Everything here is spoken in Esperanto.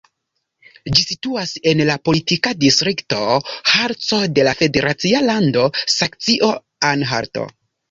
Ĝi situas en la politika distrikto Harco de la federacia lando Saksio-Anhalto.